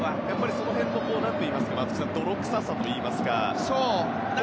その辺の泥臭さといいますか。